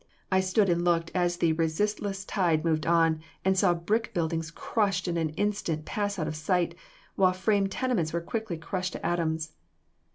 I stood and looked as the resistless tide moved on, and saw brick buildings crushed in an instant pass out of sight, while frame tenements were quickly crushed to atoms.